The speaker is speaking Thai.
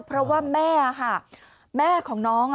เพราะว่าแม่ค่ะแม่ของน้อง